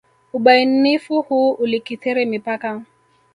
Ubainifu huu ulikithiri mipaka.